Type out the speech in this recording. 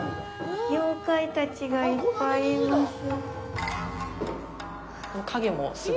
妖怪たちがいっぱいいます。